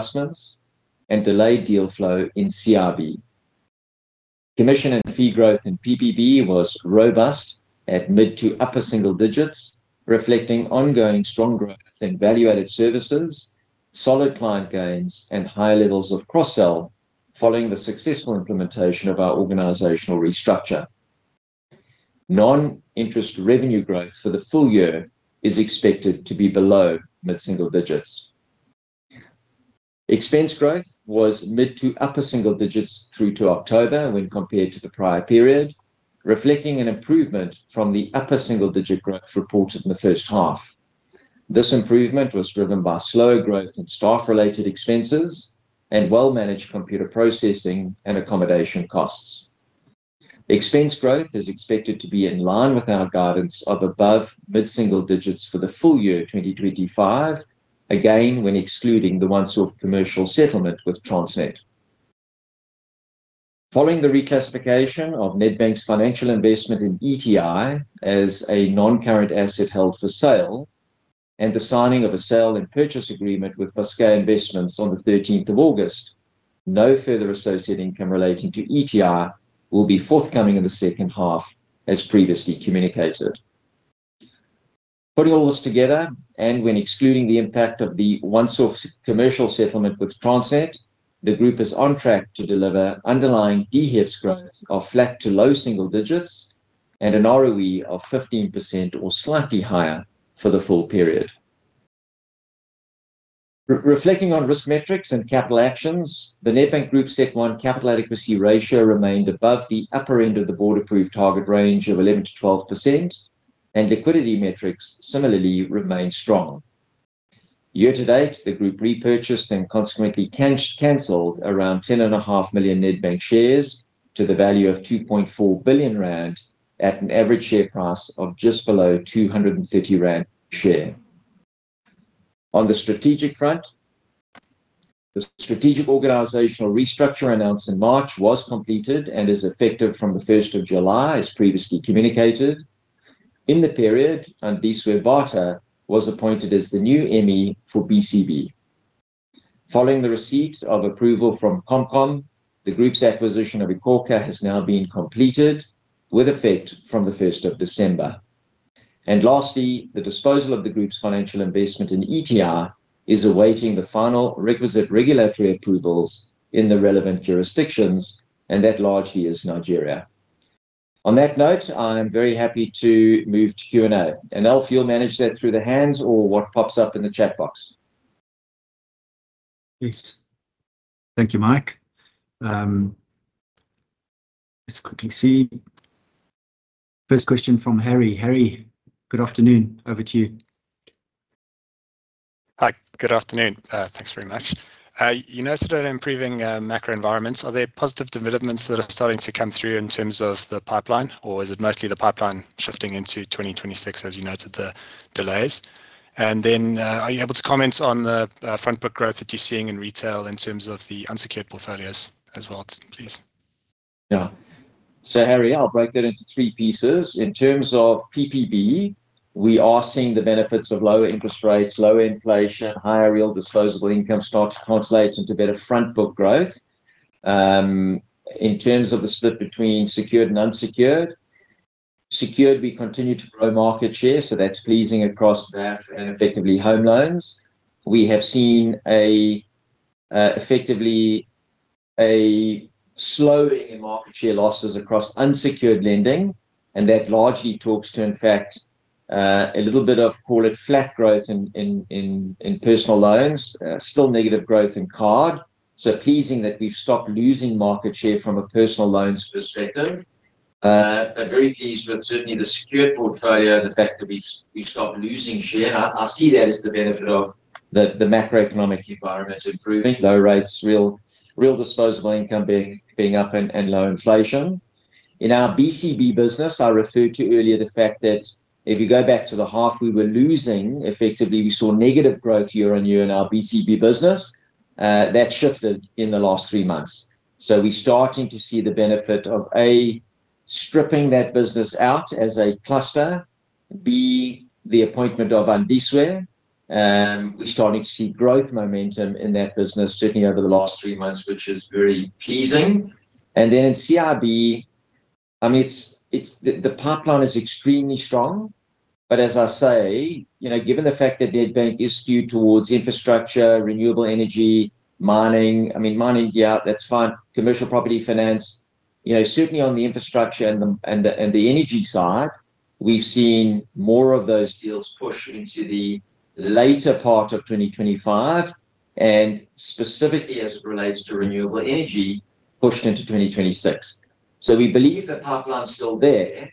Investments and delayed deal flow in CIB. Commission and fee growth in PPB was robust at mid to upper single digits, reflecting ongoing strong growth in value-added services, solid client gains, and high levels of cross-sell following the successful implementation of our organizational restructure. Non-interest revenue growth for the full year is expected to be below mid-single digits. Expense growth was mid to upper single digits through to October when compared to the prior period, reflecting an improvement from the upper single-digit growth reported in the first half. This improvement was driven by slow growth in staff-related expenses and well-managed computer processing and accommodation costs. Expense growth is expected to be in line with our guidance of above mid-single digits for the full year 2025, again when excluding the one-off commercial settlement with Transnet. Following the reclassification of Nedbank's financial investment in ETI as a non-current asset held for sale and the signing of a sale and purchase agreement with Pascale Investments on the 13th of August, no further associate income relating to ETI will be forthcoming in the second half, as previously communicated. Putting all this together, and when excluding the impact of the one-off commercial settlement with Transnet, the group is on track to deliver underlying DHEPS growth of flat to low single digits and an ROE of 15% or slightly higher for the full period. Reflecting on risk metrics and capital actions, the Nedbank Group's CET1 capital adequacy ratio remained above the upper end of the Board-approved target range of 11%-12%, and liquidity metrics similarly remained strong. Year to date, the group repurchased and consequently cancelled around 10.5 million Nedbank shares to the value of 2.4 billion rand, at an average share price of just below 230 rand per share. On the strategic front, the strategic organizational restructure announced in March was completed and is effective from the 1st of July, as previously communicated. In the period, Andiswa Bata was appointed as the new ME for BCB. Following the receipt of approval from CompCom, the group's acquisition of iKhokha has now been completed, with effect from the 1st of December. And lastly, the disposal of the group's financial investment in ETI is awaiting the final requisite regulatory approvals in the relevant jurisdictions, and that largely is Nigeria. On that note, I'm very happy to move to Q&A. Anél, if you'll manage that through the hands or what pops up in the chat box. Yes. Thank you, Mike. Let's quickly see. First question from Harry. Harry, good afternoon. Over to you. Hi, good afternoon. Thanks very much. You noted that improving macro environments. Are there positive developments that are starting to come through in terms of the pipeline, or is it mostly the pipeline shifting into 2026, as you noted the delays? And then, are you able to comment on the front book growth that you're seeing in retail in terms of the unsecured portfolios as well, please? Yeah. So Harry, I'll break that into three pieces. In terms of PPB, we are seeing the benefits of lower interest rates, lower inflation, higher real disposable income stocks translate into better front book growth. In terms of the split between secured and unsecured, secured, we continue to grow market share, so that's pleasing across NIR and effectively home loan and effectively home loans. We have seen effectively a slowing in market share losses across unsecured lending, and that largely talks to, in fact, a little bit of, call it, flat growth in personal loans, still negative growth in card. So pleasing that we've stopped losing market share from a personal loans perspective. I'm very pleased with certainly the secured portfolio, the fact that we've stopped losing share. I see that as the benefit of the macroeconomic environment improving, low rates, real disposable income being up, and low inflation. In our BCB business, I referred to earlier the fact that if you go back to the half we were losing, effectively we saw negative growth year on year in our BCB business. That shifted in the last three months, so we're starting to see the benefit of, A, stripping that business out as a cluster, B, the appointment of Andiswa and we're starting to see growth momentum in that business, certainly over the last three months, which is very pleasing, and then in CIB, I mean, the pipeline is extremely strong, but as I say, given the fact that Nedbank is skewed towards infrastructure, renewable energy, mining, I mean, mining gear, that's fine, commercial property finance, certainly on the infrastructure and the energy side, we've seen more of those deals pushed into the later part of 2025, and specifically as it relates to renewable energy pushed into 2026. So we believe the pipeline's still there,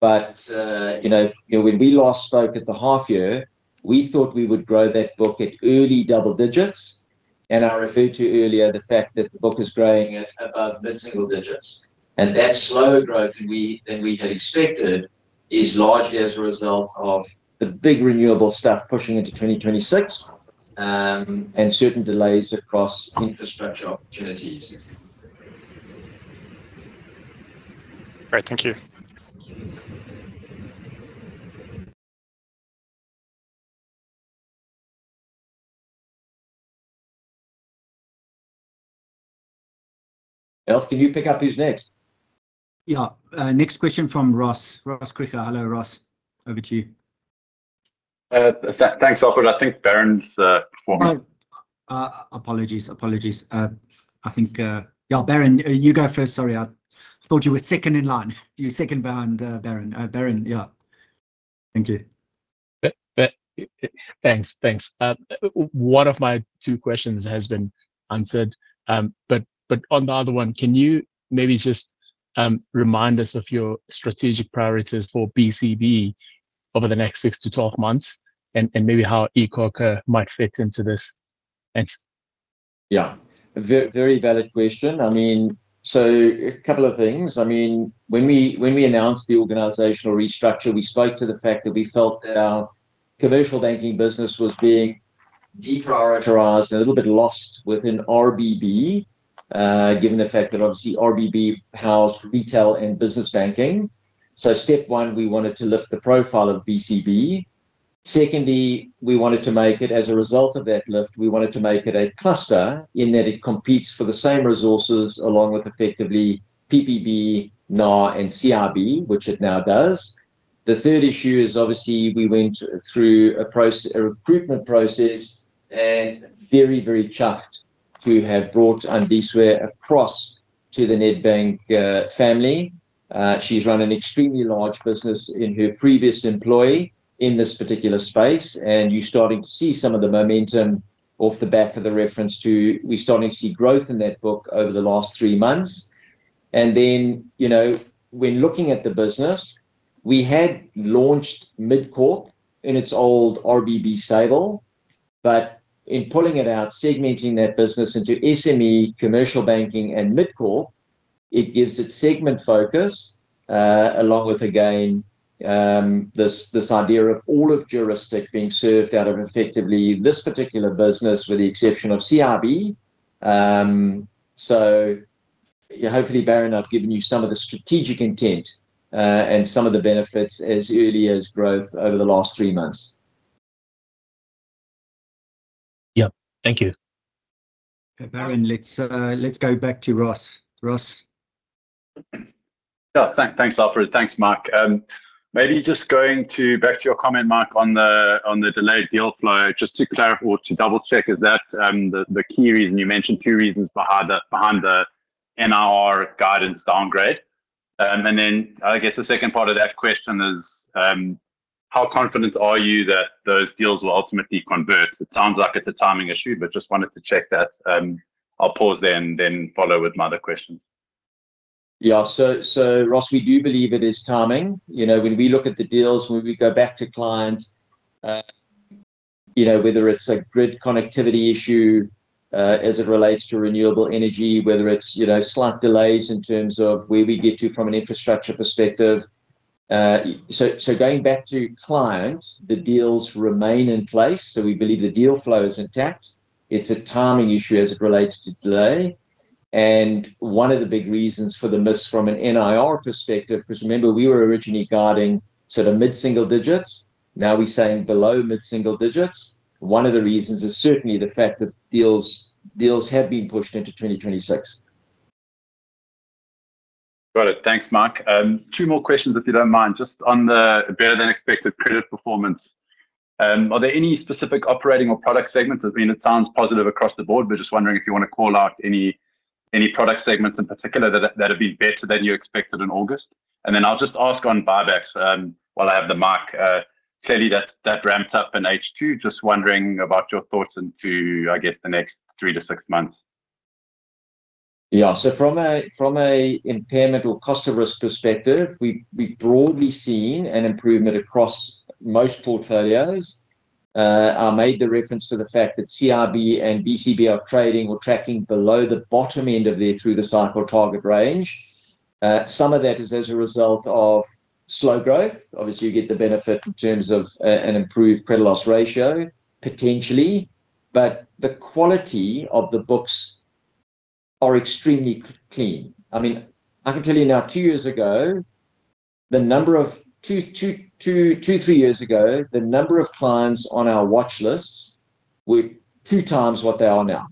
but when we last spoke at the half year, we thought we would grow that book at early double digits. And I referred to earlier the fact that the book is growing at above mid-single digits. And that slower growth than we had expected is largely as a result of the big renewable stuff pushing into 2026 and certain delays across infrastructure opportunities. Great. Thank you. Alf, can you pick up who's next? Yeah. Next question from Ross, Ross Krige. Hello, Ross. Over to you. Thanks, Alfred. I think Baron's the former. Apologies, apologies. I think, yeah, Baron, you go first. Sorry, I thought you were second in line. You're second Baron. Baron, yeah. Thank you. Thanks. Thanks. One of my two questions has been answered, but on the other one, can you maybe just remind us of your strategic priorities for BCB over the next six to 12 months and maybe how iKhokha might fit into this? Yeah. Very valid question. I mean, so a couple of things. I mean, when we announced the organizational restructure, we spoke to the fact that we felt that our commercial banking business was being deprioritized and a little bit lost within RBB, given the fact that obviously RBB housed Retail and Business Banking. So step one, we wanted to lift the profile of BCB. Secondly, we wanted to make it, as a result of that lift, we wanted to make it a cluster in that it competes for the same resources along with effectively PPB, NIR, and CIB, which it now does. The third issue is obviously we went through a recruitment process and very, very chuffed to have brought Andiswa across to the Nedbank family. She's run an extremely large business in her previous employment in this particular space, and you're starting to see some of the momentum off the back of the reference to we're starting to see growth in that book over the last three months. And then when looking at the business, we had launched Mid-Corp in its old RBB stable, but in pulling it out, segmenting that business into SME, commercial banking, and Mid-Corp, it gives it segment focus along with, again, this idea of all jurisdictions being served out of effectively this particular business with the exception of CIB. So hopefully, Baron, I've given you some of the strategic intent and some of the benefits as early as growth over the last three months. Yeah. Thank you. Baron, let's go back to Ross. Ross. Yeah. Thanks, Alfred. Thanks, Mike. Maybe just going back to your comment, Mike, on the delayed deal flow, just to clarify or to double-check, is that the key reason you mentioned two reasons behind the NIR guidance downgrade, and then I guess the second part of that question is, how confident are you that those deals will ultimately convert? It sounds like it's a timing issue, but just wanted to check that. I'll pause there and then follow with my other questions. Yeah. So Ross, we do believe it is timing. When we look at the deals, when we go back to client, whether it's a grid connectivity issue as it relates to renewable energy, whether it's slight delays in terms of where we get to from an infrastructure perspective. So going back to client, the deals remain in place, so we believe the deal flow is intact. It's a timing issue as it relates to delay. And one of the big reasons for the miss from an NIR perspective, because remember, we were originally guiding sort of mid-single digits, now we're saying below mid-single digits. One of the reasons is certainly the fact that deals have been pushed into 2026. Got it. Thanks, Mike. Two more questions, if you don't mind, just on the better-than-expected credit performance. Are there any specific operating or product segments? I mean, it sounds positive across the Board, but just wondering if you want to call out any product segments in particular that have been better than you expected in August, and then I'll just ask on buybacks while I have the mic. Clearly, that ramped up in H2. Just wondering about your thoughts into, I guess, the next three to six months. Yeah, so from an impairment or cost of risk perspective, we've broadly seen an improvement across most portfolios. I made the reference to the fact that CIB and BCB are trading or tracking below the bottom end of their through-the-cycle target range. Some of that is as a result of slow growth. Obviously, you get the benefit in terms of an improved credit loss ratio, potentially, but the quality of the books are extremely clean. I mean, I can tell you now, two or three years ago, the number of clients on our watch lists were 2x what they are now.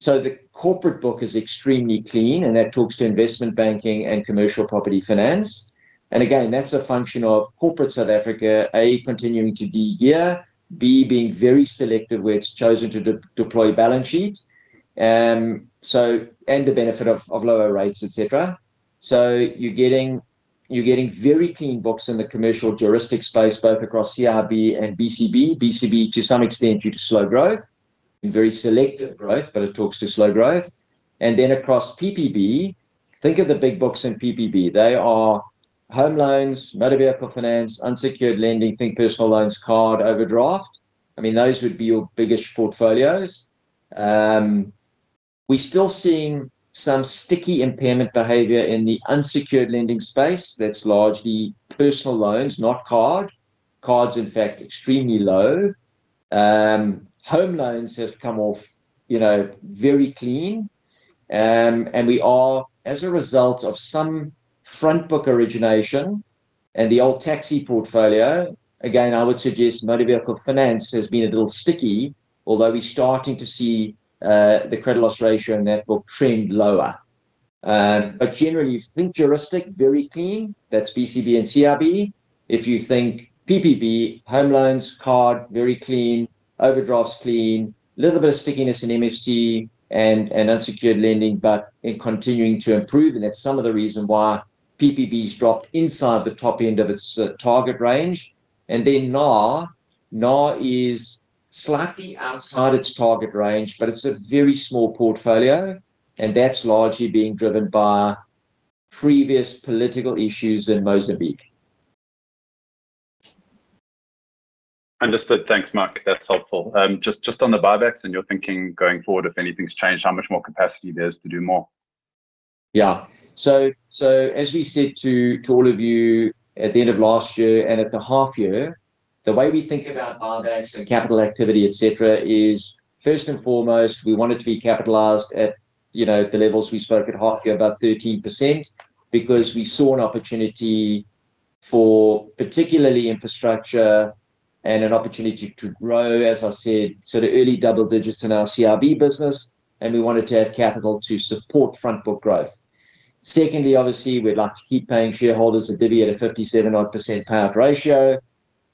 So the corporate book is extremely clean, and that talks to investment banking and commercial property finance. Again, that's a function of corporate South Africa. A, continuing to be geared. B, being very selective where it's chosen to deploy balance sheet, and the benefit of lower rates, etc. You're getting very clean books in the commercial jurisdiction space, both across CIB and BCB. BCB to some extent due to slow growth, very selective growth, but it talks to slow growth. Across PPB, think of the big books in PPB. They are home loans, motor vehicle finance, unsecured lending. Think personal loans, card, overdraft. I mean, those would be your biggest portfolios. We're still seeing some sticky impairment behavior in the unsecured lending space. That's largely personal loans, not card. Cards, in fact, extremely low. Home loans have come off very clean. And we are, as a result of some front book origination and the old taxi portfolio, again, I would suggest motor vehicle finance has been a little sticky, although we're starting to see the credit loss ratio in that book trend lower. But generally, you think jurisdiction very clean, that's BCB and CIB. If you think PPB, home loans, card, very clean, overdrafts clean, a little bit of stickiness in MFC and unsecured lending, but it's continuing to improve. And that's some of the reason why PPB's dropped inside the top end of its target range. And then NIR, NIR is slightly outside its target range, but it's a very small portfolio, and that's largely being driven by previous political issues in Mozambique. Understood. Thanks, Mike. That's helpful. Just on the buybacks and your thinking going forward, if anything's changed, how much more capacity there is to do more? Yeah, so as we said to all of you at the end of last year and at the half year, the way we think about buybacks and capital activity, etc., is first and foremost, we want it to be capitalized at the levels we spoke at half year, about 13%, because we saw an opportunity for particularly infrastructure and an opportunity to grow, as I said, sort of early double digits in our CIB business, and we wanted to have capital to support front book growth. Secondly, obviously, we'd like to keep paying shareholders a divvy at a 57% odd payout ratio.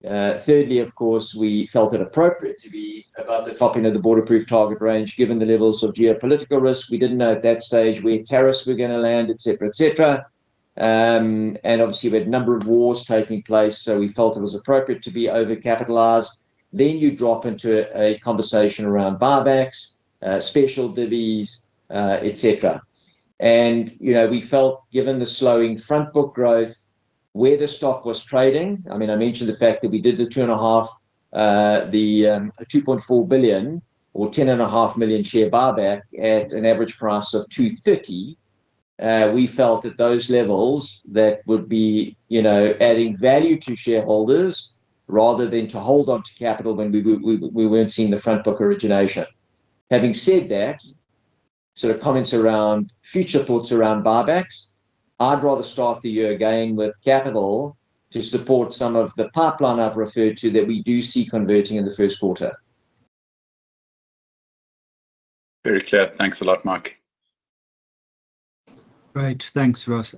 Thirdly, of course, we felt it appropriate to be above the top end of the buffer-proof target range given the levels of geopolitical risk. We didn't know at that stage where tariffs were going to land, etc., etc. And obviously, we had a number of wars taking place, so we felt it was appropriate to be overcapitalized. Then you drop into a conversation around buybacks, special divvies, etc. And we felt, given the slowing front book growth, where the stock was trading, I mean, I mentioned the fact that we did the 2.5, the 2.4 billion or 10.5 million share buyback at an average price of 230. We felt at those levels that would be adding value to shareholders rather than to hold onto capital when we weren't seeing the front book origination. Having said that, sort of comments around future thoughts around buybacks, I'd rather start the year again with capital to support some of the pipeline I've referred to that we do see converting in the first quarter. Very clear. Thanks a lot, Mike. Great. Thanks, Ross.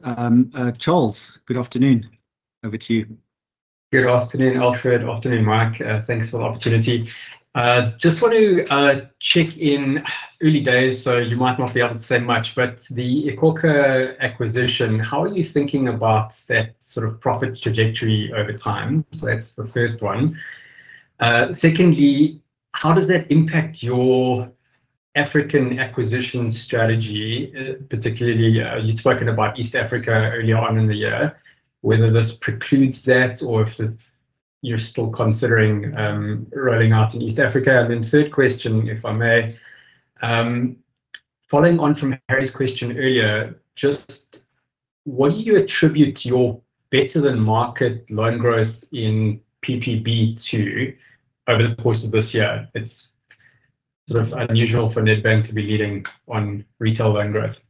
Charles, good afternoon. Over to you. Good afternoon, Alfred. Afternoon, Mike. Thanks for the opportunity. Just want to check in. Early days, so you might not be able to say much, but the iKhokha acquisition, how are you thinking about that sort of profit trajectory over time? So that's the first one. Secondly, how does that impact your African acquisition strategy, particularly you'd spoken about East Africa earlier on in the year, whether this precludes that or if you're still considering rolling out in East Africa? And then third question, if I may, following on from Harry's question earlier, just what do you attribute to your better-than-market loan growth in PPB2 over the course of this year? It's sort of unusual for Nedbank to be leading on retail loan growth.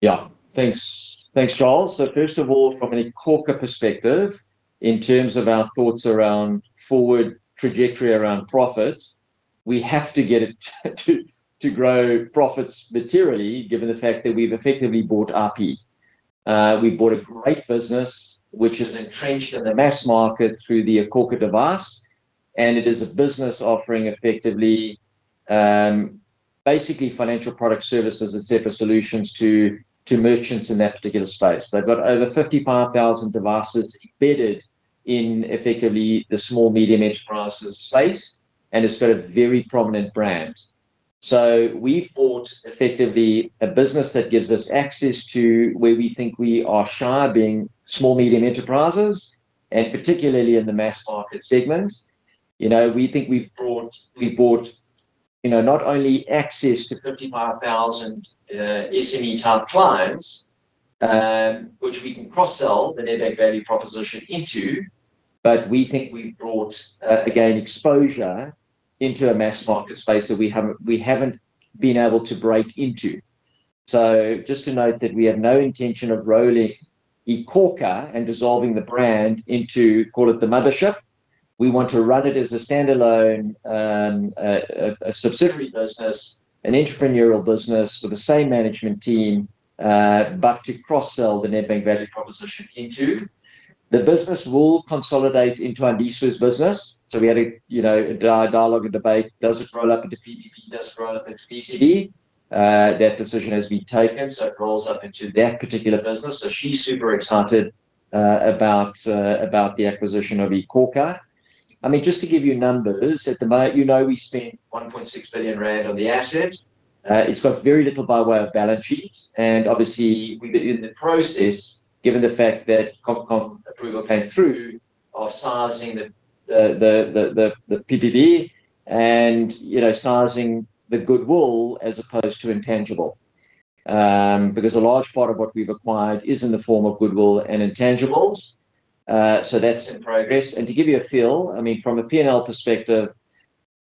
Yeah. Thanks, Charles. So first of all, from an iKhokha perspective, in terms of our thoughts around forward trajectory around profit, we have to get it to grow profits materially given the fact that we've effectively bought [iKhokha]. We bought a great business, which is entrenched in the mass market through the iKhokha device, and it is a business offering effectively basically financial product services, etc., solutions to merchants in that particular space. They've got over 55,000 devices embedded in effectively the small, medium enterprises space, and it's got a very prominent brand. So we've bought effectively a business that gives us access to where we think we are shy being small, medium enterprises, and particularly in the mass market segment. We think we've bought not only access to 55,000 SME-type clients, which we can cross-sell the Nedbank value proposition into, but we think we've brought, again, exposure into a mass market space that we haven't been able to break into. So just to note that we have no intention of rolling iKhokha and dissolving the brand into, call it the mothership. We want to run it as a standalone subsidiary business, an entrepreneurial business with the same management team, but to cross-sell the Nedbank value proposition into. The business will consolidate into Andiswa's business. So we had a dialogue and debate, does it roll up into PPB, does it roll up into BCB? That decision has been taken, so it rolls up into that particular business. So she's super excited about the acquisition of iKhokha. I mean, just to give you numbers, at the moment, you know we spent 1.6 billion rand on the asset. It's got very little by way of balance sheet, and obviously, we've been in the process, given the fact that CompCom approval came through, of sizing the PPB and sizing the goodwill as opposed to intangible, because a large part of what we've acquired is in the form of goodwill and intangibles. So that's in progress, and to give you a feel, I mean, from a P&L perspective,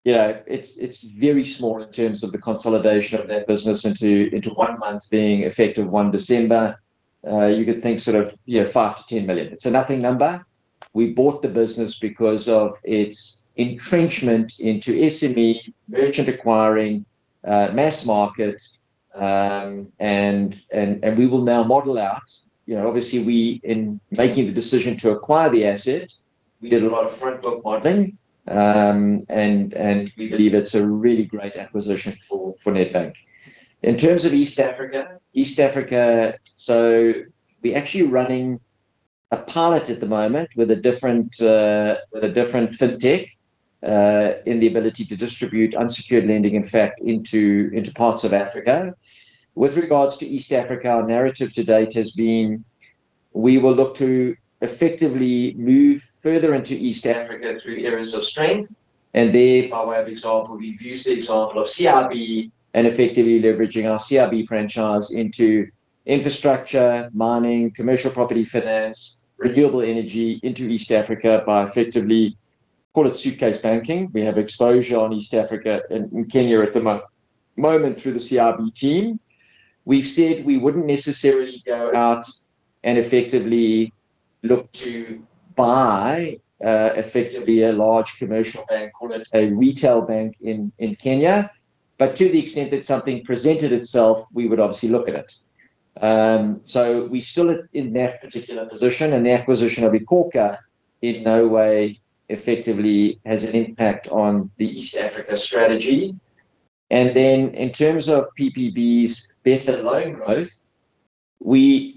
it's very small in terms of the consolidation of that business into one month being effective 1 December. You could think sort of 5 million-10 million. It's a nothing number. We bought the business because of its entrenchment into SME, merchant acquiring, mass market, and we will now model out. Obviously, in making the decision to acquire the asset, we did a lot of front book modeling, and we believe it's a really great acquisition for Nedbank. In terms of East Africa, so we're actually running a pilot at the moment with a different fintech in the ability to distribute unsecured lending, in fact, into parts of Africa. With regards to East Africa, our narrative to date has been we will look to effectively move further into East Africa through areas of strength. And there, by way of example, we've used the example of CIB and effectively leveraging our CIB franchise into infrastructure, mining, commercial property finance, renewable energy into East Africa by effectively, call it suitcase banking. We have exposure on East Africa and Kenya at the moment through the CIB team. We've said we wouldn't necessarily go out and effectively look to buy effectively a large commercial bank, call it a retail bank in Kenya, but to the extent that something presented itself, we would obviously look at it, so we're still in that particular position, and the acquisition of iKhokha in no way effectively has an impact on the East Africa strategy, and then in terms of PPB's better loan growth,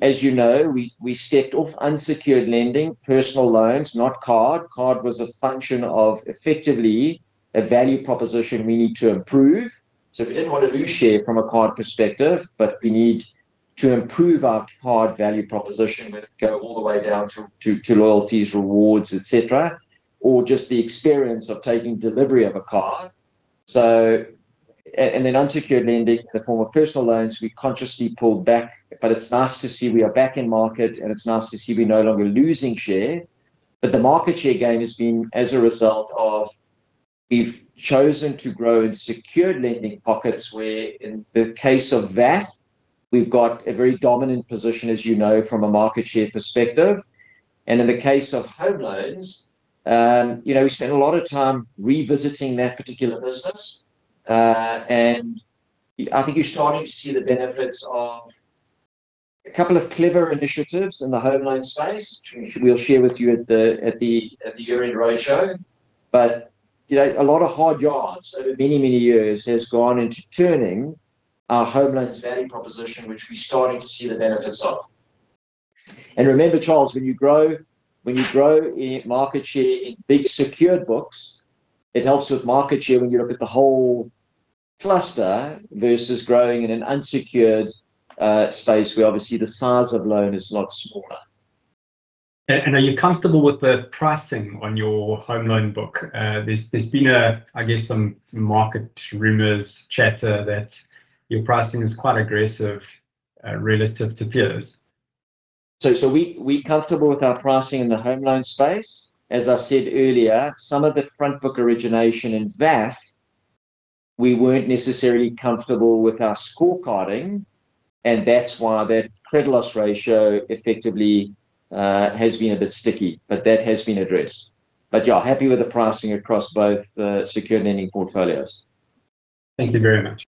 as you know, we stepped off unsecured lending, personal loans, not card. Card was a function of effectively a value proposition we need to improve, so we didn't want to lose share from a card perspective, but we need to improve our card value proposition, whether it go all the way down to loyalties, rewards, etc., or just the experience of taking delivery of a card. And then unsecured lending in the form of personal loans, we consciously pulled back, but it's nice to see we are back in market, and it's nice to see we're no longer losing share. But the market share gain has been as a result of we've chosen to grow in secured lending pockets where, in the case of VAF, we've got a very dominant position, as you know, from a market share perspective. And in the case of home loans, we spent a lot of time revisiting that particular business. And I think you're starting to see the benefits of a couple of clever initiatives in the home loan space, which we'll share with you at the year-end roadshow. But a lot of hard yards over many, many years has gone into turning our home loans value proposition, which we're starting to see the benefits of. Remember, Charles, when you grow in market share in big secured books, it helps with market share when you look at the whole cluster versus growing in an unsecured space where, obviously, the size of loan is a lot smaller. Are you comfortable with the pricing on your home loan book? There's been, I guess, some market rumors, chatter that your pricing is quite aggressive relative to peers. So we're comfortable with our pricing in the home loan space. As I said earlier, some of the front book origination in VAF, we weren't necessarily comfortable with our scorecarding, and that's why that credit loss ratio effectively has been a bit sticky, but that has been addressed. But yeah, happy with the pricing across both secured lending portfolios. Thank you very much.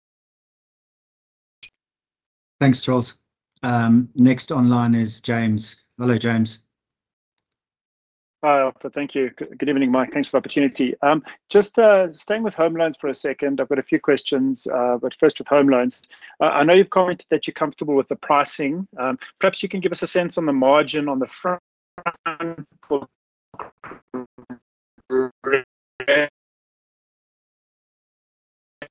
Thanks, Charles. Next online is James. Hello, James. Hi, Alfred. Thank you. Good evening, Mike. Thanks for the opportunity. Just staying with home loans for a second, I've got a few questions, but first with home loans. I know you've commented that you're comfortable with the pricing. Perhaps you can give us a sense on the margin on the front relative to your bank.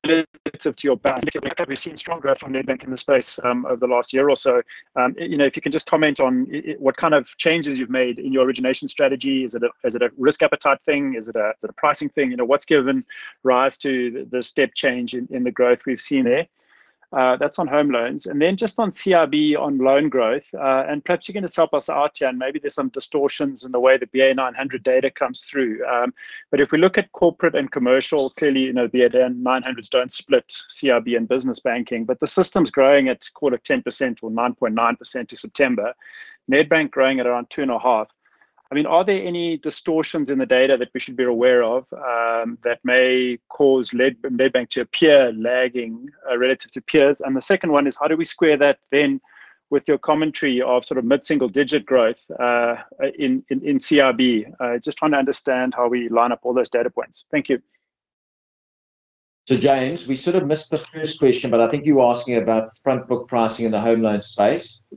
We've seen strong growth on Nedbank in the space over the last year or so. If you can just comment on what kind of changes you've made in your origination strategy. Is it a risk appetite thing? Is it a pricing thing? What's given rise to the step change in the growth we've seen there? That's on home loans, and then just on CIB on loan growth, and perhaps you can just help us out here, and maybe there's some distortions in the way the BA 900 data comes through. But if we look at corporate and commercial, clearly the BA 900s don't split CIB and business banking, but the system's growing at, call it 10% or 9.9% to September. Nedbank growing at around 2.5%. I mean, are there any distortions in the data that we should be aware of that may cause Nedbank to appear lagging relative to peers? And the second one is, how do we square that then with your commentary of sort of mid-single digit growth in CIB? Just trying to understand how we line up all those data points. Thank you. So, James, we sort of missed the first question, but I think you were asking about front book pricing in the home loan space.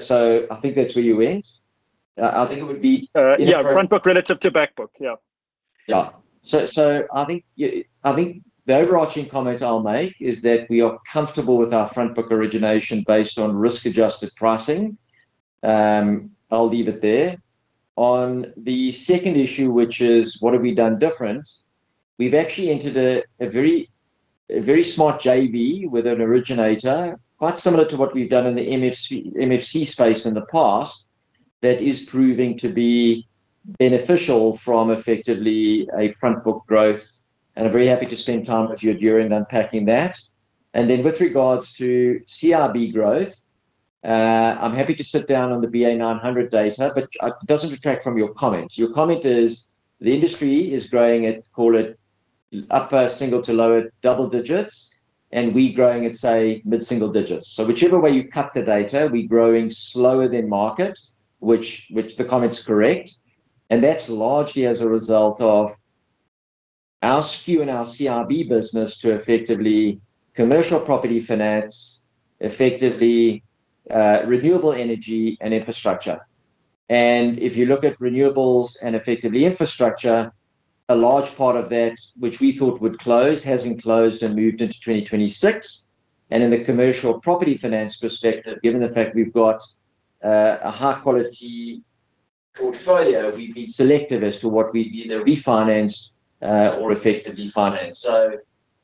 So I think that's where you went. I think it would be. Yeah, front book relative to back book. Yeah. Yeah. So I think the overarching comment I'll make is that we are comfortable with our front book origination based on risk-adjusted pricing. I'll leave it there. On the second issue, which is what have we done different? We've actually entered a very smart JV with an originator, quite similar to what we've done in the MFC space in the past, that is proving to be beneficial from effectively a front book growth, and I'm very happy to spend time with you during unpacking that. And then with regards to CIB growth, I'm happy to sit down on the BA 900 data, but it doesn't detract from your comment. Your comment is the industry is growing at, call it upper single to lower double digits, and we're growing at, say, mid-single digits. So whichever way you cut the data, we're growing slower than market, which the comment's correct. And that's largely as a result of our SKU and our CIB business to effectively commercial property finance, effectively renewable energy and infrastructure. And if you look at renewables and effectively infrastructure, a large part of that, which we thought would close, hasn't closed and moved into 2026. And in the commercial property finance perspective, given the fact we've got a high-quality portfolio, we've been selective as to what we either refinance or effectively finance. So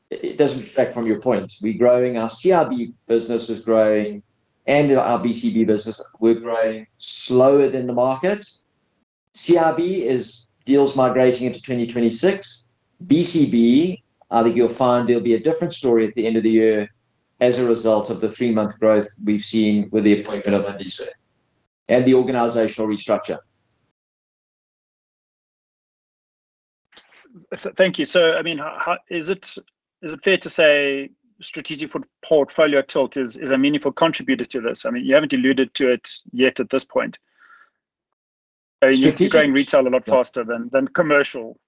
it doesn't detract from your point. We're growing. Our CIB business is growing, and our BCB business, we're growing slower than the market. CIB deals migrating into 2026. BCB, I think you'll find there'll be a different story at the end of the year as a result of the three-month growth we've seen with the appointment of Andiswa and the organizational restructure. Thank you. So, I mean, is it fair to say strategic portfolio tilt is a meaningful contributor to this? I mean, you haven't alluded to it yet at this point. I mean, you're growing retail a lot faster than commercial.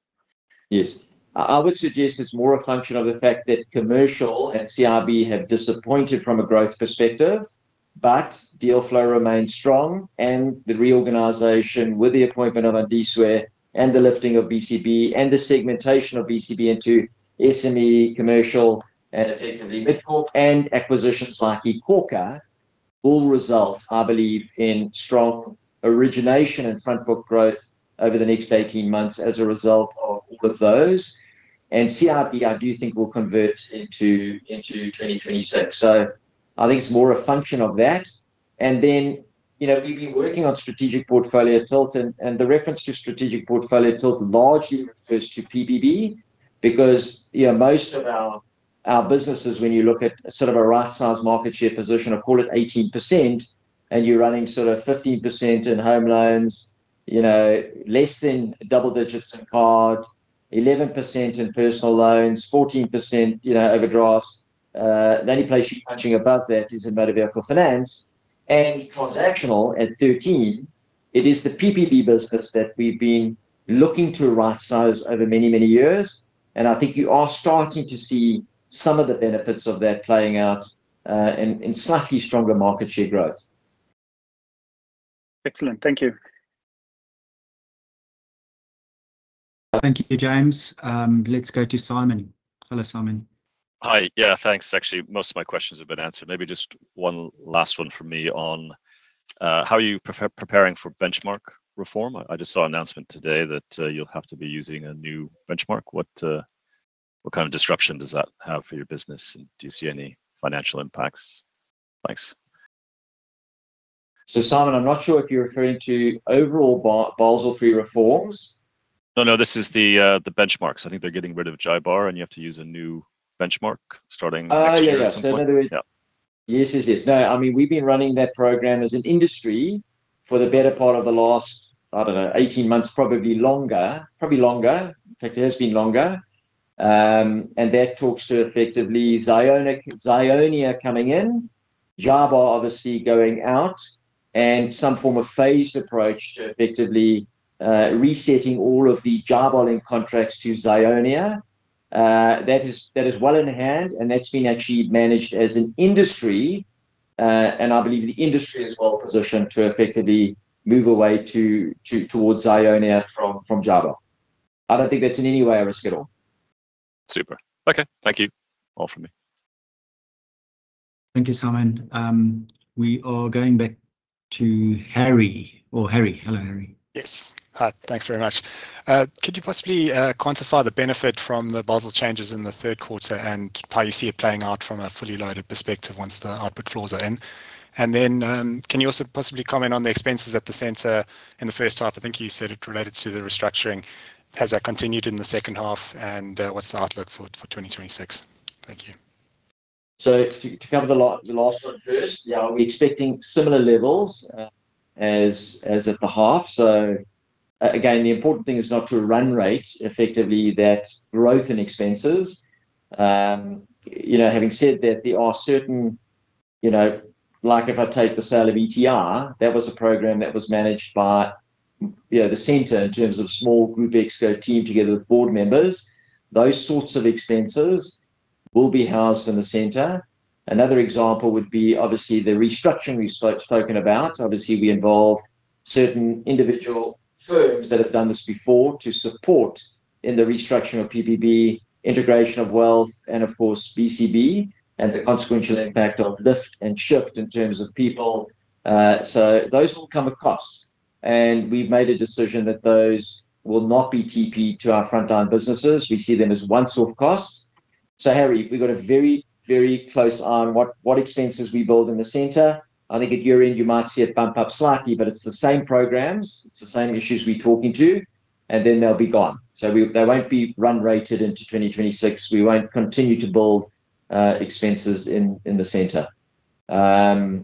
Yes. I would suggest it's more a function of the fact that commercial and CIB have disappointed from a growth perspective, but deal flow remains strong, and the reorganization with the appointment of Andiswa and the lifting of BCB and the segmentation of BCB into SME, commercial, and effectively Mid-Corp and acquisitions like iKhokha will result, I believe, in strong origination and front book growth over the next 18 months as a result of all of those, and CIB, I do think, will convert into 2026, so I think it's more a function of that. And then we've been working on strategic portfolio tilt, and the reference to strategic portfolio tilt largely refers to PPB because most of our businesses, when you look at sort of a right-sized market share position of, call it 18%, and you're running sort of 15% in home loans, less than double digits in card, 11% in personal loans, 14% overdrafts. The only place you're punching above that is in motor vehicle finance and transactional at 13%. It is the PPB business that we've been looking to right-size over many, many years. And I think you are starting to see some of the benefits of that playing out in slightly stronger market share growth. Excellent. Thank you. Thank you, James. Let's go to Simon. Hello, Simon. Hi. Yeah, thanks. Actually, most of my questions have been answered. Maybe just one last one from me on how are you preparing for benchmark reform? I just saw an announcement today that you'll have to be using a new benchmark. What kind of disruption does that have for your business? And do you see any financial impacts? Thanks. Simon, I'm not sure if you're referring to overall Basel III reforms. No, no, this is the benchmarks. I think they're getting rid of JIBAR, and you have to use a new benchmark starting next year. Oh, yeah. Yeah, so in other words. Yeah. Yes, yes, yes. No, I mean, we've been running that program as an industry for the better part of the last, I don't know, 18 months, probably longer, probably longer. In fact, it has been longer, and that talks to effectively ZARONIA coming in, JIBAR obviously going out, and some form of phased approach to effectively resetting all of the JIBAR-linked contracts to ZARONIA. That is well in hand, and that's been actually managed as an industry, and I believe the industry is well-positioned to effectively move away towards ZARONIA from JIBAR. I don't think that's in any way a risk at all. Super. Okay. Thank you. All from me. Thank you, Simon. We are going back to Harry. Oh, Harry. Hello, Harry. Yes. Hi. Thanks very much. Could you possibly quantify the benefit from the Basel changes in the third quarter and how you see it playing out from a fully loaded perspective once the output floors are in? And then can you also possibly comment on the expenses at the center in the first half? I think you said it related to the restructuring. Has that continued in the second half? And what's the outlook for 2026? Thank you. So to cover the last one first, yeah, we're expecting similar levels as at the half, so again, the important thing is not to run rate effectively that growth in expenses. Having said that, there are certain like if I take the sale of ETI, that was a program that was managed by the center in terms of small group Exco team together with Board members. Those sorts of expenses will be housed in the center. Another example would be obviously the restructuring we've spoken about. Obviously, we involve certain individual firms that have done this before to support in the restructuring of PPB, integration of wealth, and of course, BCB, and the consequential impact of lift and shift in terms of people. So those will come across, and we've made a decision that those will not be TP to our frontline businesses. We see them as one source of cost. So Harry, we've got a very, very close eye on what expenses we build in the center. I think at year-end, you might see it bump up slightly, but it's the same programs. It's the same issues we're talking to, and then they'll be gone. So they won't be run-rated into 2026. We won't continue to build expenses in the center. And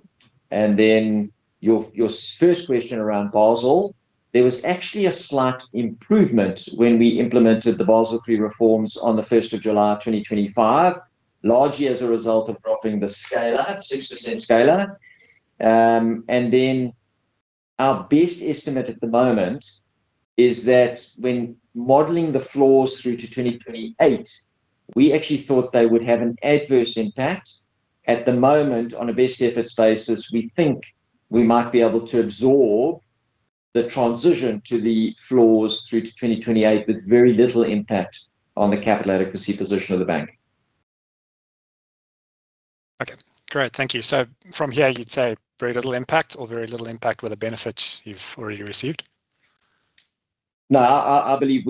then your first question around Basel, there was actually a slight improvement when we implemented the Basel III reforms on the 1st of July 2025, largely as a result of dropping the scaler, 6% scaler. And then our best estimate at the moment is that when modeling the floors through to 2028, we actually thought they would have an adverse impact. At the moment, on a best efforts basis, we think we might be able to absorb the transition to the floors through to 2028 with very little impact on the capital adequacy position of the bank. Okay. Great. Thank you. So from here, you'd say very little impact with the benefits you've already received? No, I believe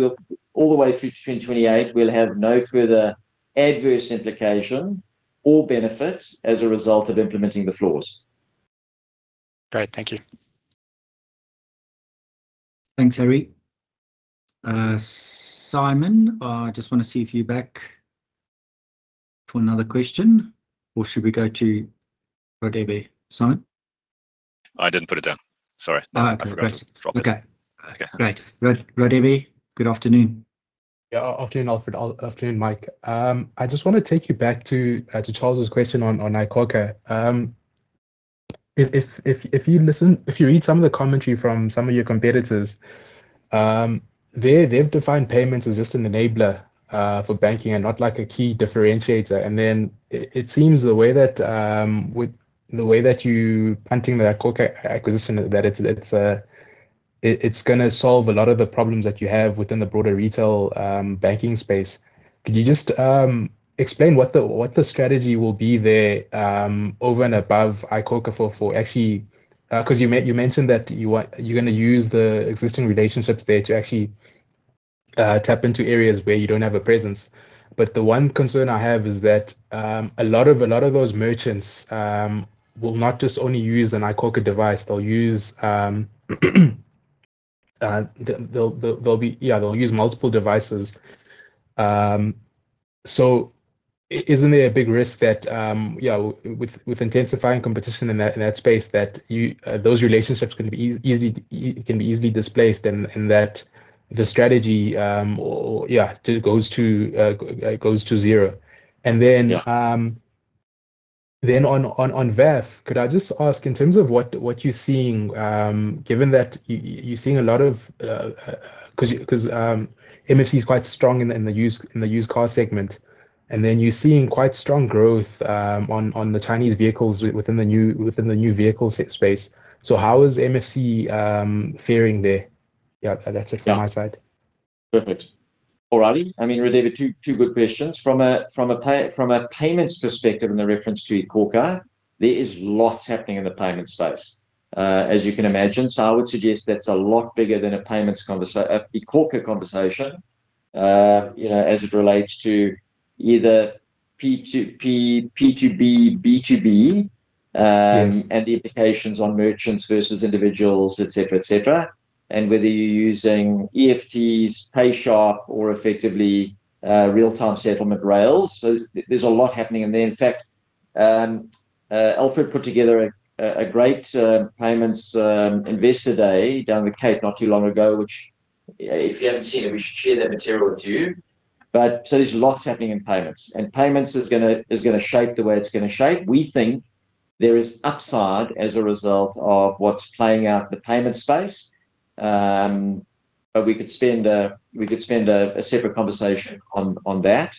all the way through to 2028, we'll have no further adverse implication or benefit as a result of implementing the floors. Great. Thank you. Thanks, Harry. Simon, I just want to see if you're back for another question, or should we go to [Rodeby]? Simon? I didn't put it down. Sorry. Okay. Great. Rodeby, good afternoon. Yeah. Afternoon, Alfred. Afternoon, Mike. I just want to take you back to Charles's question on iKhokha. If you read some of the commentary from some of your competitors, they've defined payments as just an enabler for banking and not like a key differentiator, and then it seems the way that you're punting the iKhokha acquisition, that it's going to solve a lot of the problems that you have within the broader retail banking space. Could you just explain what the strategy will be there over and above iKhokha, for actually, because you mentioned that you're going to use the existing relationships there to actually tap into areas where you don't have a presence, but the one concern I have is that a lot of those merchants will not just only use an iKhokha device. They'll use multiple devices. Isn't there a big risk that with intensifying competition in that space, that those relationships can be easily displaced and that the strategy, yeah, goes to zero? On VAF, could I just ask in terms of what you're seeing, given that you're seeing a lot of, because MFC is quite strong in the used car segment, and then you're seeing quite strong growth on the Chinese vehicles within the new vehicle space. How is MFC faring there? Yeah, that's it from my side. Perfect. Alrighty. I mean, [Rodeby], two good questions. From a payments perspective and the reference to iKhokha, there is lots happening in the payment space, as you can imagine, so I would suggest that's a lot bigger than a payments iKhokha conversation as it relates to either P2B, B2B, and the implications on merchants versus individuals, etc., etc., and whether you're using EFTs, PayShap, or effectively real-time settlement rails, so there's a lot happening in there. In fact, Alfred put together a great payments Investor Day down at the Cape not too long ago, which if you haven't seen it, we should share that material with you, but so there's lots happening in payments, and payments is going to shape the way it's going to shape. We think there is upside as a result of what's playing out in the payment space. But we could spend a separate conversation on that,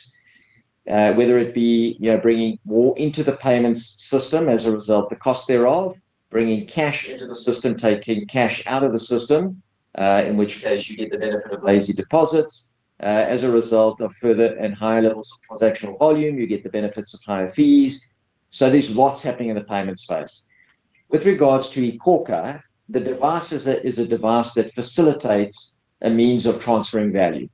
whether it be bringing more into the payments system as a result of the cost thereof, bringing cash into the system, taking cash out of the system, in which case you get the benefit of lazy deposits. As a result of further and higher levels of transactional volume, you get the benefits of higher fees. So there's lots happening in the payment space. With regards to iKhokha, the device is a device that facilitates a means of transferring value.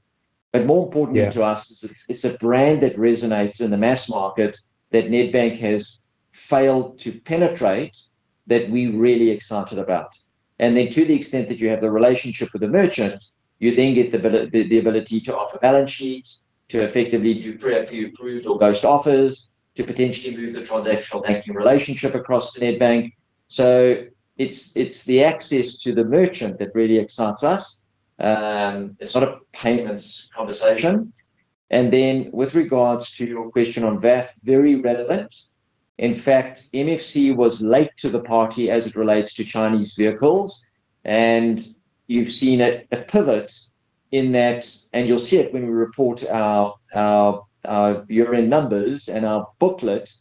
But more important to us is it's a brand that resonates in the mass market that Nedbank has failed to penetrate that we're really excited about. Then to the extent that you have the relationship with the merchant, you then get the ability to offer balance sheets, to effectively do pre-approved or ghost offers, to potentially move the transactional banking relationship across to Nedbank. It's the access to the merchant that really excites us. It's not a payments conversation. Then with regards to your question on VAF, very relevant. In fact, MFC was late to the party as it relates to Chinese vehicles. You've seen a pivot in that, and you'll see it when we report our year-end numbers and our booklet.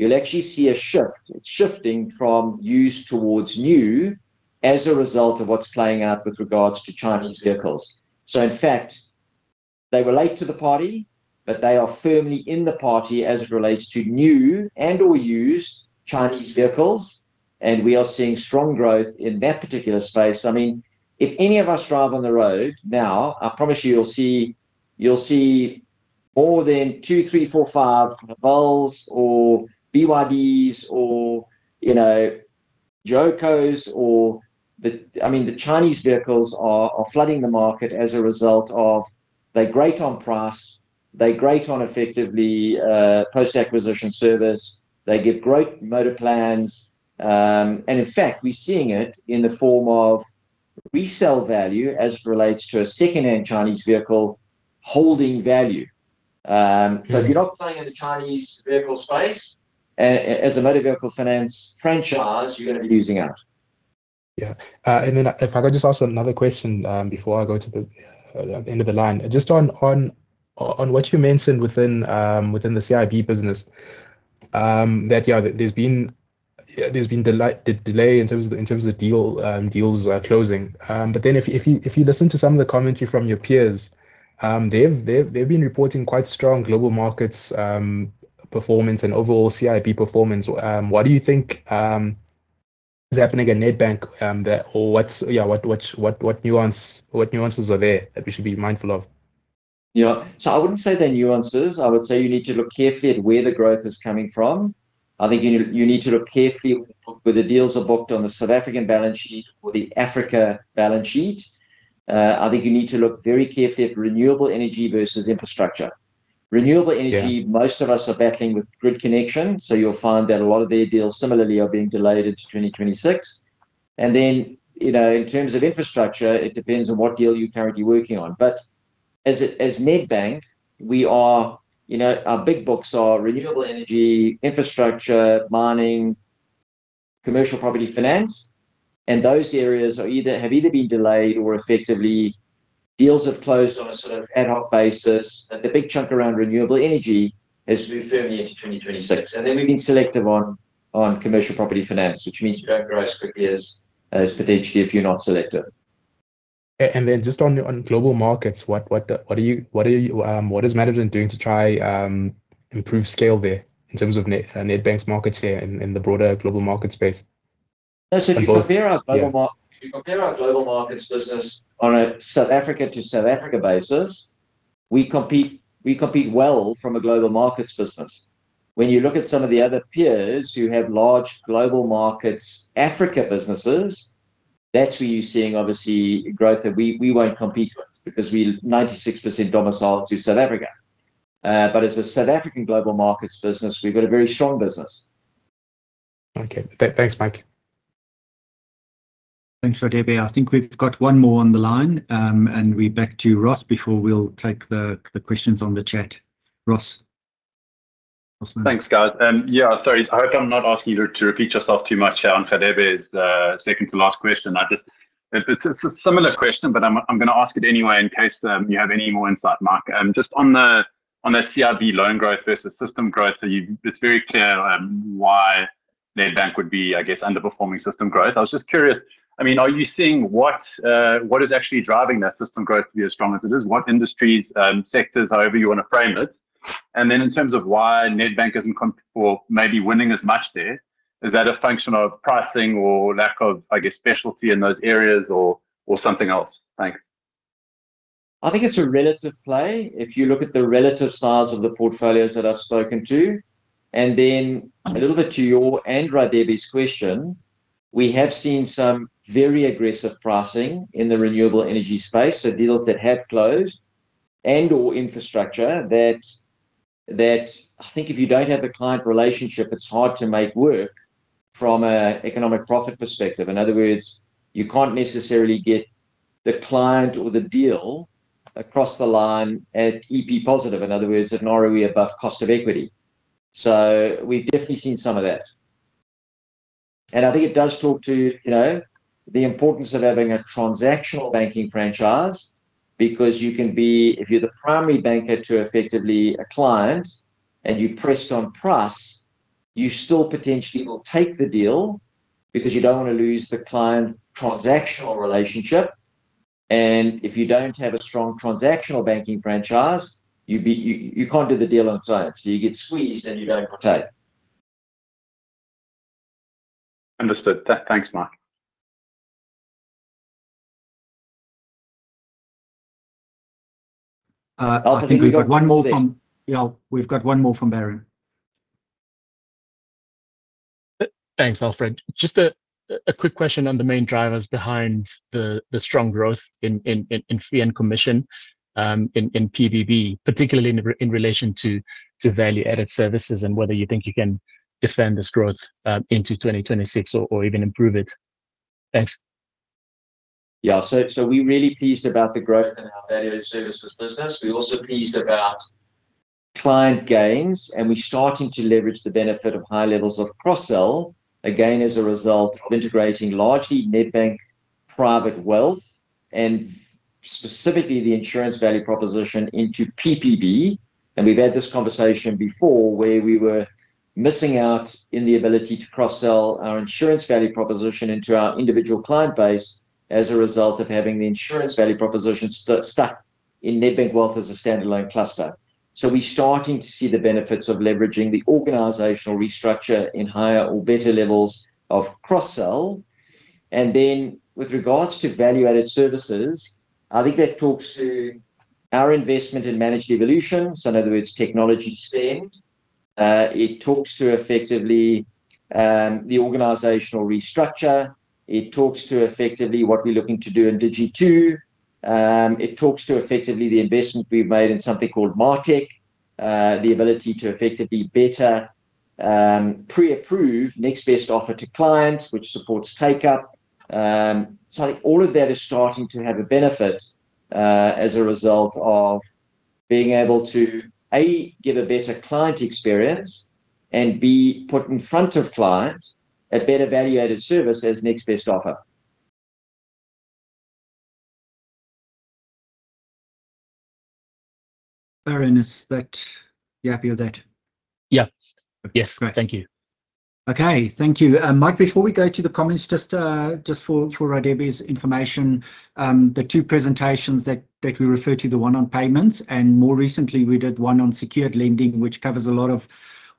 You'll actually see a shift. It's shifting from used towards new as a result of what's playing out with regards to Chinese vehicles. In fact, they were late to the party, but they are firmly in the party as it relates to new and/or used Chinese vehicles. We are seeing strong growth in that particular space. I mean, if any of us drive on the road now, I promise you you'll see more than two, three, four, five Volks or BYDs or JACs or, I mean, the Chinese vehicles are flooding the market as a result of they're great on price, they're great on effectively post-acquisition service, they give great motor plans. In fact, we're seeing it in the form of resale value as it relates to a secondhand Chinese vehicle holding value. If you're not playing in the Chinese vehicle space as a motor vehicle finance franchise, you're going to be losing out. Yeah. And then if I could just ask another question before I go to the end of the line. Just on what you mentioned within the CIB business, that there's been delay in terms of the deals closing. But then if you listen to some of the commentary from your peers, they've been reporting quite strong global markets performance and overall CIB performance. What do you think is happening at Nedbank or what nuances are there that we should be mindful of? Yeah. So I wouldn't say they're nuances. I would say you need to look carefully at where the growth is coming from. I think you need to look carefully with the deals that are booked on the South African balance sheet or the Africa balance sheet. I think you need to look very carefully at renewable energy versus infrastructure. Renewable energy, most of us are battling with grid connection. So you'll find that a lot of their deals similarly are being delayed into 2026. And then in terms of infrastructure, it depends on what deal you're currently working on. But as Nedbank, our big books are renewable energy, infrastructure, mining, commercial property finance. And those areas have either been delayed or effectively deals have closed on a sort of ad hoc basis. The big chunk around renewable energy has moved firmly into 2026. And then we've been selective on commercial property finance, which means you don't grow as quickly as potentially if you're not selective. And then just on global markets, what is management doing to try to improve scale there in terms of Nedbank's market share in the broader global market space? So if you compare our global markets business on a South Africa-to-South Africa basis, we compete well from a global markets business. When you look at some of the other peers who have large global markets Africa businesses, that's where you're seeing obviously growth that we won't compete with because we're 96% domiciled to South Africa. But as a South African global markets business, we've got a very strong business. Okay. Thanks, Mike. Thanks, Rodeby. I think we've got one more on the line. And we're back to Ross before we'll take the questions on the chat. Ross. Thanks, guys. Yeah, sorry. I hope I'm not asking you to repeat yourself too much on Rodeby's second to last question. It's a similar question, but I'm going to ask it anyway in case you have any more insight, Mike. Just on that CIB loan growth versus system growth, it's very clear why Nedbank would be, I guess, underperforming system growth. I was just curious, I mean, are you seeing what is actually driving that system growth to be as strong as it is? What industries, sectors, however you want to frame it? And then in terms of why Nedbank isn't maybe winning as much there, is that a function of pricing or lack of, I guess, specialty in those areas or something else? Thanks. I think it's a relative play if you look at the relative size of the portfolios that I've spoken to. And then a little bit to your and Rodeby's question, we have seen some very aggressive pricing in the renewable energy space, so deals that have closed and/or infrastructure that I think if you don't have the client relationship, it's hard to make work from an economic profit perspective. In other words, you can't necessarily get the client or the deal across the line at EP positive, in other words, at an ROE above cost of equity. So we've definitely seen some of that. And I think it does talk to the importance of having a transactional banking franchise because you can be, if you're the primary banker to, effectively, a client and you're pressed on price, you still potentially will take the deal because you don't want to lose the client transactional relationship. And if you don't have a strong transactional banking franchise, you can't do the deal on its own. So you get squeezed and you don't partake. Understood. Thanks, Mike. I think we've got one more from Baron. Thanks, Alfred. Just a quick question on the main drivers behind the strong growth in fee and commission in PBB, particularly in relation to value-added services and whether you think you can defend this growth into 2026 or even improve it? Thanks. Yeah. So we're really pleased about the growth in our value-added services business. We're also pleased about client gains, and we're starting to leverage the benefit of high levels of cross-sell, again, as a result of integrating largely Nedbank Private Wealth and specifically the insurance value proposition into PPB, and we've had this conversation before where we were missing out in the ability to cross-sell our insurance value proposition into our individual client base as a result of having the insurance value proposition stuck in Nedbank Wealth as a standalone cluster, so we're starting to see the benefits of leveraging the organizational restructure in higher or better levels of cross-sell, and then with regards to value-added services, I think that talks to our investment in managed evolution, so in other words, technology spend. It talks to effectively the organizational restructure. It talks to, effectively, what we're looking to do in [Digito]. It talks to, effectively, the investment we've made in something called MarTech, the ability to effectively better pre-approve next best offer to clients, which supports take-up. I think all of that is starting to have a benefit as a result of being able to, A, give a better client experience, and B, put in front of clients a better value-added service as next best offer. Baron, are you happy with that? Yeah. Yes. Thank you. Okay. Thank you. Mike, before we go to the comments, just for Rodeby's information, the two presentations that we refer to, the one on payments and more recently we did one on secured lending, which covers a lot of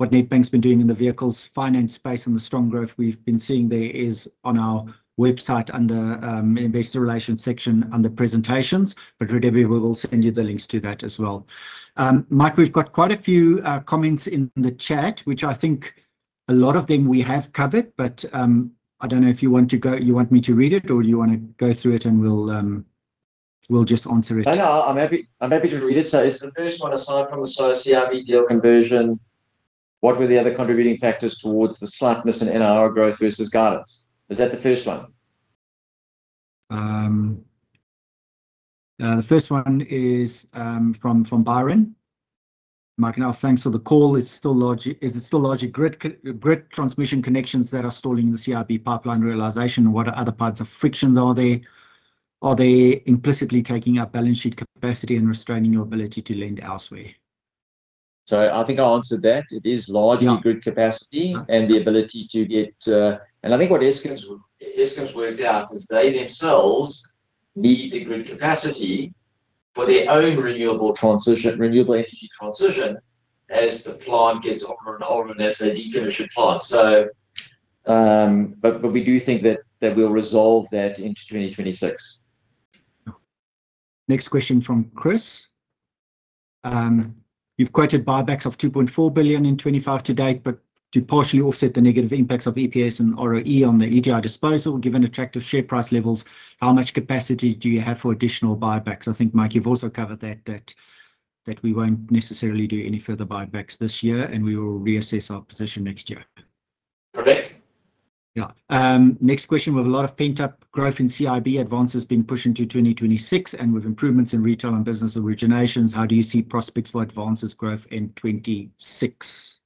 what Nedbank's been doing in the vehicle finance space and the strong growth we've been seeing there is on our website under Investor Relations section under presentations. But Rodeby, we will send you the links to that as well. Mike, we've got quite a few comments in the chat, which I think a lot of them we have covered, but I don't know if you want me to read it or you want to go through it and we'll just answer it. No, no. I'm happy to read it. So it's the first one aside from the CIB deal conversion. What were the other contributing factors towards the slight miss in NIR growth versus guidance? Is that the first one? The first one is from Baron. Mike, thanks for the call. Is it still logic grid transmission connections that are stalling in the CIB pipeline realization? What other parts of frictions are there? Are they implicitly taking up balance sheet capacity and restraining your ability to lend elsewhere? So I think I answered that. It is largely grid capacity and the ability to get and I think what Eskom's worked out is they themselves need the grid capacity for their own renewable energy transition as the plant gets older and older and as they decommission plants. But we do think that we'll resolve that into 2026. Next question from Chris. You've quoted buybacks of 2.4 billion in 2025 to date, but to partially offset the negative impacts of EPS and ROE on the EDR disposal, given attractive share price levels, how much capacity do you have for additional buybacks? I think, Mike, you've also covered that, that we won't necessarily do any further buybacks this year, and we will reassess our position next year. Correct. Yeah. Next question. We have a lot of pent-up growth in CIB advances being pushed into 2026, and with improvements in retail and business originations, how do you see prospects for advances growth in 2026?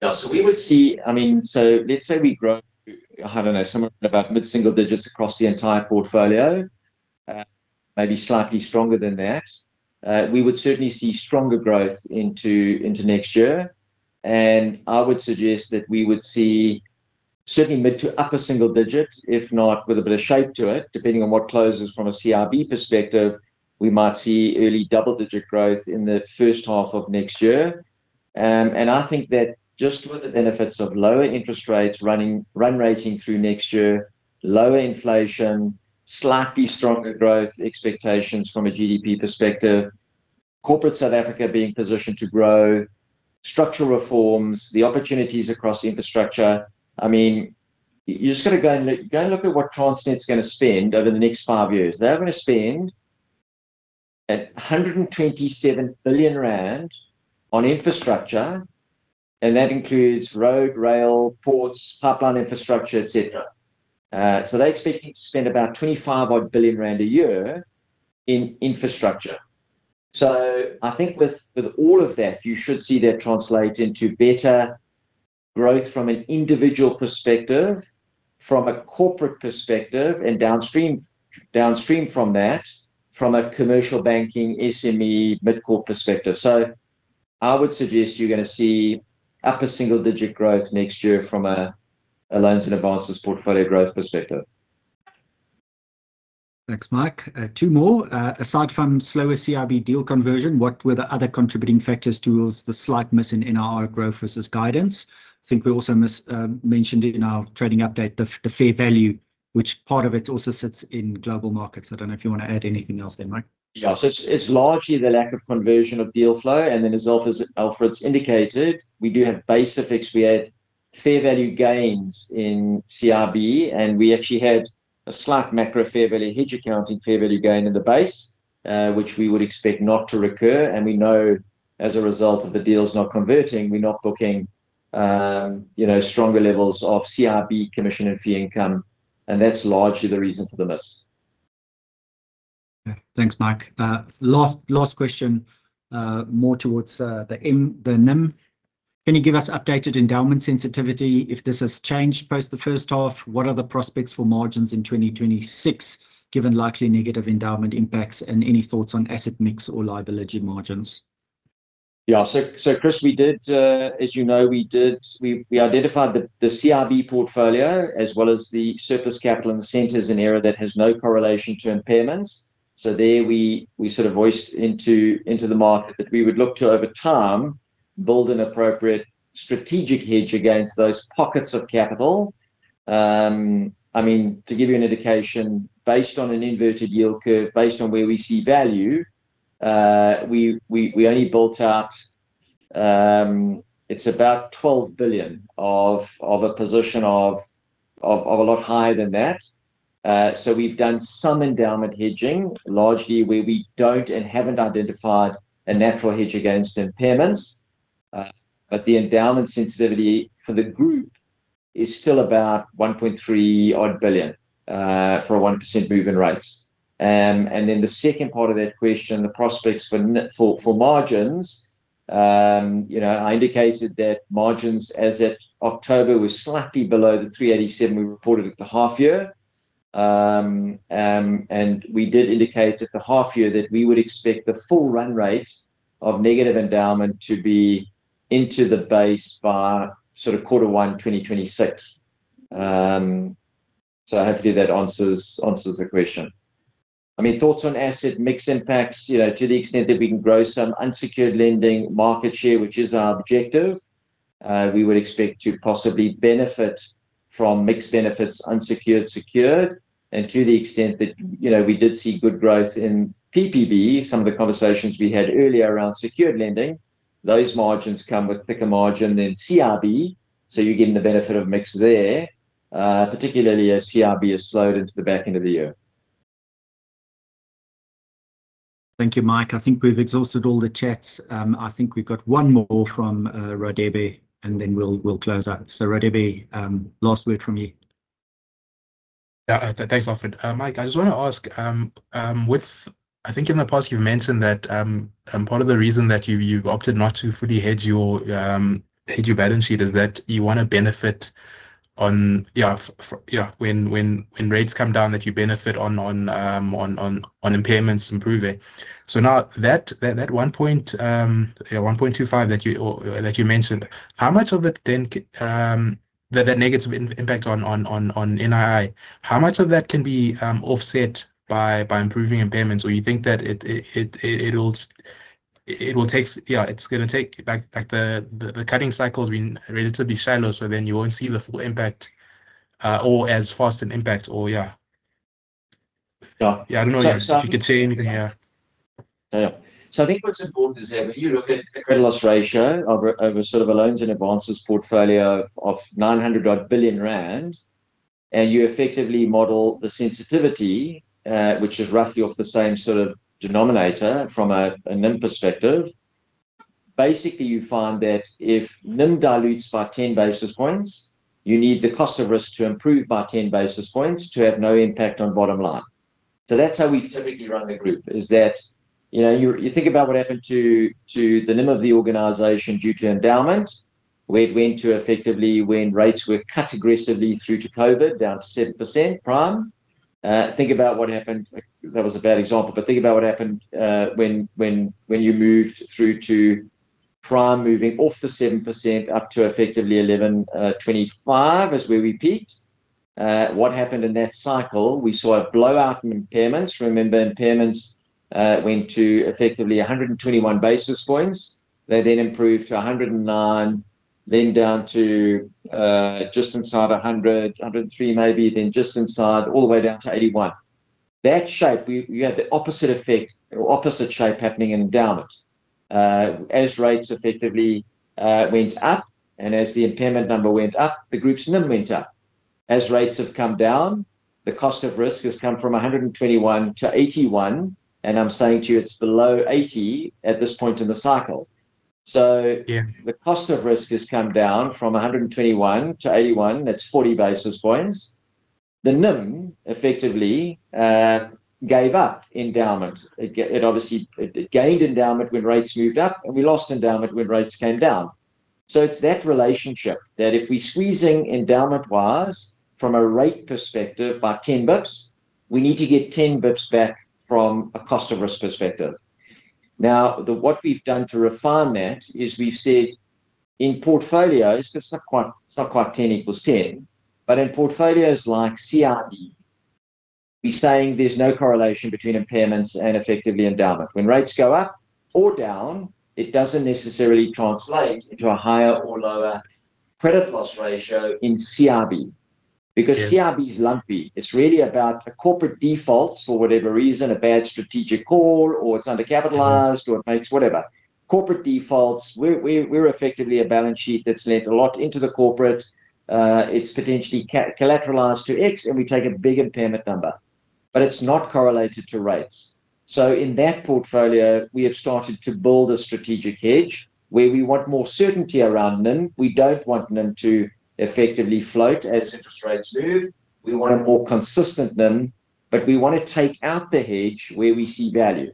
Yeah. So we would see, I mean, so let's say we grow, I don't know, somewhere around about mid-single digits across the entire portfolio, maybe slightly stronger than that. We would certainly see stronger growth into next year. I would suggest that we would see certainly mid to upper single digits, if not with a bit of shape to it, depending on what closes from a CIB perspective. We might see early double-digit growth in the first half of next year. I think that just with the benefits of lower interest rates run-rate through next year, lower inflation, slightly stronger growth expectations from a GDP perspective, corporate South Africa being positioned to grow, structural reforms, the opportunities across infrastructure. I mean, you just got to go and look at what Transnet's going to spend over the next five years. They're going to spend 127 billion rand on infrastructure, and that includes road, rail, ports, pipeline infrastructure, etc. So they're expecting to spend about 25-odd billion rand a year in infrastructure. So I think with all of that, you should see that translate into better growth from an individual perspective, from a corporate perspective, and downstream from that, from a commercial banking, SME, mid-core perspective. So I would suggest you're going to see upper single-digit growth next year from a loans and advances portfolio growth perspective. Thanks, Mike. Two more. Aside from slower CIB deal conversion, what were the other contributing factors toward the slight miss in NIR growth versus guidance? I think we also mentioned in our trading update the fair value, which part of it also sits in global markets. I don't know if you want to add anything else there, Mike. Yeah. So it's largely the lack of conversion of deal flow. And then, as Alfred's indicated, we do have base effects. We had fair value gains in CIB, and we actually had a slight macro fair value hedge accounting fair value gain in the base, which we would expect not to recur. And we know as a result of the deals not converting, we're not booking stronger levels of CIB commission and fee income. And that's largely the reason for the miss. Thanks, Mike. Last question, more towards the NIM. Can you give us updated endowment sensitivity if this has changed post the first half? What are the prospects for margins in 2026 given likely negative endowment impacts and any thoughts on asset mix or liability margins? Yeah. So Chris, as you know, we identified the CIB portfolio as well as the surplus capital in the area that has no correlation to impairments. So there we sort of voiced to the market that we would look to over time build an appropriate strategic hedge against those pockets of capital. I mean, to give you an indication, based on an inverted yield curve, based on where we see value, we only built out. It's about 12 billion of a position, a lot higher than that. So we've done some endowment hedging, largely where we don't and haven't identified a natural hedge against impairments. But the endowment sensitivity for the group is still about 1.3-odd billion for a 1% move in rates. And then the second part of that question, the prospects for margins. I indicated that margins as at October were slightly below the 387 we reported at the half year. And we did indicate at the half year that we would expect the full run rate of negative endowment to be into the base by sort of quarter one 2026. So I hope that answers the question. I mean, thoughts on asset mix impacts to the extent that we can grow some unsecured lending market share, which is our objective. We would expect to possibly benefit from mix benefits, unsecured, secured. And to the extent that we did see good growth in PPB, some of the conversations we had earlier around secured lending, those margins come with thicker margin than CIB. So you're getting the benefit of mix there, particularly as CIB has slowed into the back end of the year. Thank you, Mike. I think we've exhausted all the chats. I think we've got one more from [Rodeby], and then we'll close up. So Rodeby, last word from you. Yeah. Thanks, Alfred. Mike, I just want to ask, I think in the past you've mentioned that part of the reason that you've opted not to fully hedge your balance sheet is that you want to benefit on, yeah, when rates come down that you benefit on impairments improving. So now that 1.25 that you mentioned, how much of it then that negative impact on NIR, how much of that can be offset by improving impairments? Or you think that it will take, yeah, it's going to take the cutting cycles being relatively shallow, so then you won't see the full impact or as fast an impact or, yeah? Yeah. Yeah. I don't know if you could say anything here. Yeah. So I think what's important is that when you look at a credit loss ratio over sort of a loans and advances portfolio of 900-odd billion rand, and you effectively model the sensitivity, which is roughly off the same sort of denominator from a NIM perspective, basically you find that if NIM dilutes by 10 basis points, you need the cost of risk to improve by 10 basis points to have no impact on bottom line. So that's how we typically run the group, is that you think about what happened to the NIM of the organization due to endowment, where it went to effectively when rates were cut aggressively through to COVID down to 7% prime. Think about what happened, that was a bad example, but think about what happened when you moved through to prime moving off the 7% up to effectively 11.25% is where we peaked. What happened in that cycle? We saw a blowout in impairments. Remember, impairments went to effectively 121 basis points. They then improved to 109, then down to just inside 100, 103 maybe, then just inside all the way down to 81. That shape, you have the opposite effect or opposite shape happening in endowment. As rates effectively went up and as the impairment number went up, the group's NIM went up. As rates have come down, the cost of risk has come from 121 to 81. And I'm saying to you it's below 80 at this point in the cycle. So the cost of risk has come down from 121 to 81. That's 40 basis points. The NIM effectively gave up endowment. It obviously gained endowment when rates moved up, and we lost endowment when rates came down. So it's that relationship that if we're squeezing endowment wise from a rate perspective by 10 basis points, we need to get 10 basis points back from a cost of risk perspective. Now, what we've done to refine that is we've said in portfolios it's not quite 10 equals 10, but in portfolios like CIB we're saying there's no correlation between impairments and effectively endowment. When rates go up or down, it doesn't necessarily translate into a higher or lower credit loss ratio in CIB because CIB is lumpy. It's really about a corporate default for whatever reason, a bad strategic call, or it's undercapitalized, or it makes whatever. Corporate defaults, we're effectively a balance sheet that's lent a lot into the corporate. It's potentially collateralized to X, and we take a big impairment number, but it's not correlated to rates. So in that portfolio, we have started to build a strategic hedge where we want more certainty around NIM. We don't want NIM to effectively float as interest rates move. We want a more consistent NIM, but we want to take out the hedge where we see value.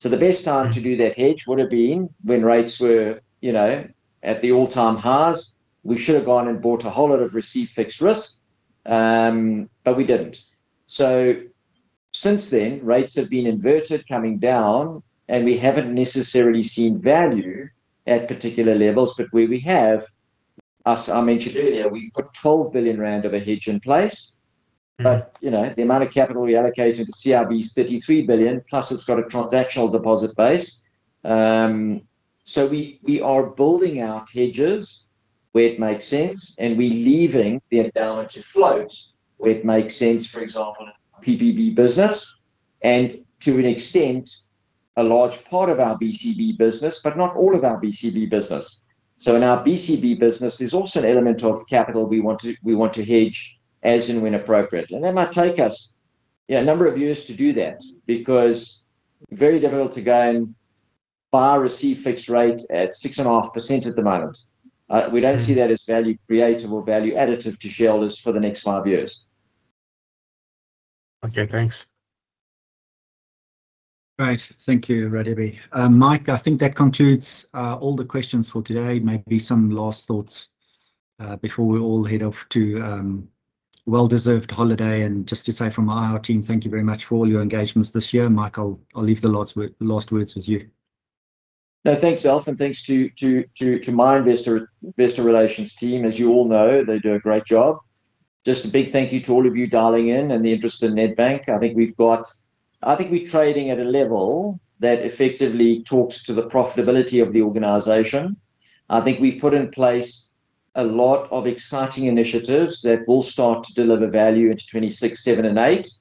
So the best time to do that hedge would have been when rates were at the all-time highs. We should have gone and bought a whole lot of receive fixed risk, but we didn't. So since then, rates have been inverted, coming down, and we haven't necessarily seen value at particular levels, but where we have, as I mentioned earlier, we've put 12 billion rand of a hedge in place. But the amount of capital we allocate into CIB is 33 billion, plus it's got a transactional deposit base. So we are building out hedges where it makes sense, and we're leaving the endowment to float where it makes sense, for example, in our PPB business and to an extent a large part of our BCB business, but not all of our BCB business. So in our BCB business, there's also an element of capital we want to hedge as and when appropriate. And that might take us a number of years to do that because very difficult to go and buy receive fixed rate at 6.5% at the moment. We don't see that as value creative or value additive to shareholders for the next five years. Okay. Thanks. Right. Thank you, Rodeby. Mike, I think that concludes all the questions for today. Maybe some last thoughts before we all head off to a well-deserved holiday, and just to say from our team, thank you very much for all your engagements this year. Mike, I'll leave the last words with you. No, thanks, Alf, and thanks to my Investor Relations team. As you all know, they do a great job. Just a big thank you to all of you dialing in and the interest in Nedbank. I think we're trading at a level that effectively talks to the profitability of the organization. I think we've put in place a lot of exciting initiatives that will start to deliver value into 2026, 2027,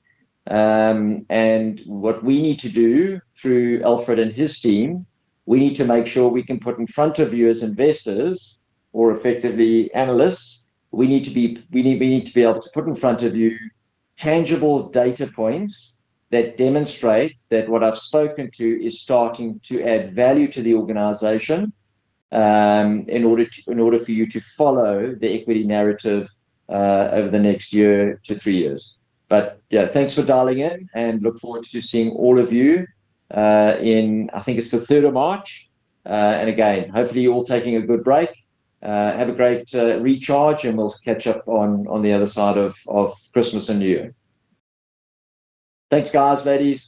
and 2028. And what we need to do through Alfred and his team, we need to make sure we can put in front of you as investors or effectively analysts, we need to be able to put in front of you tangible data points that demonstrate that what I've spoken to is starting to add value to the organization in order for you to follow the equity narrative over the next year to three years. But yeah, thanks for dialing in, and look forward to seeing all of you in, I think it's the 3rd of March. And again, hopefully you're all taking a good break. Have a great recharge, and we'll catch up on the other side of Christmas and New Year. Thanks, guys, ladies.